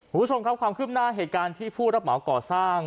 คุณผู้ชมครับความคืบหน้าเหตุการณ์ที่ผู้รับเหมาก่อสร้าง